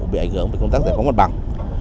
bị ảnh hưởng về công tác giải phóng mặt bằng